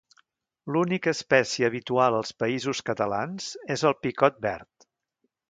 L'única espècie habitual als Països Catalans és el picot verd.